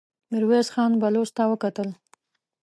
ميرويس خان بلوڅ ته وکتل.